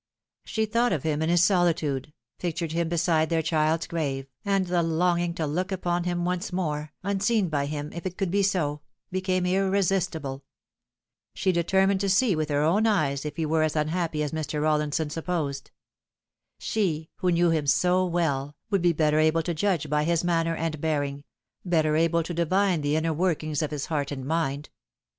She thought of him in his solitude, pictured him beside their child's grave, and the longing to look upon him once more unseen by him, if it could be so became irresistible. She determined to see with her own eyes if he were as unhappy as Mr. Rollinson supposed. She, who knew him so well, would be better able to judge by his manner and bearing better able to divine the inner workings of his heart and mind.